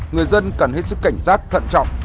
người dân cần hết sức cảnh giác thận trọng